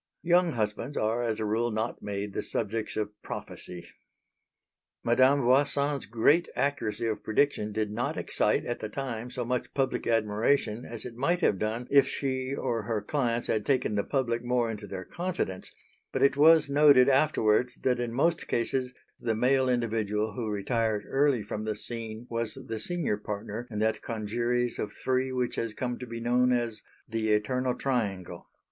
Young husbands are as a rule not made the subjects of prophecy. Madame Voisin's great accuracy of prediction did not excite at the time so much public admiration as it might have done if she or her clients had taken the public more into their confidence; but it was noted afterwards that in most cases the male individual who retired early from the scene was the senior partner in that congeries of three which has come to be known as "the eternal triangle."